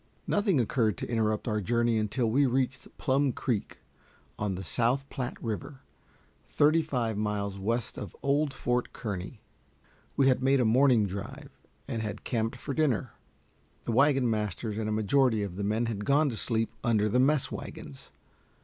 Nothing occurred to interrupt our journey until we reached Plum Creek, on the South Platte River, thirty five miles west of old Fort Kearny. We had made a morning drive, and had camped for dinner. The wagon masters and a majority of the men had gone to sleep under the mess wagons.